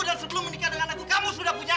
dan sebelum menikah dengan aku kamu sudah punya anak